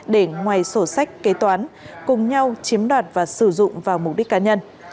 để ngoài sổ sách kế toán cùng nhau chiếm đoạt và sử dụng vào mục đích cá nhân